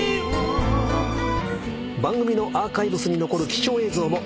番組のアーカイブスに残る貴重映像も。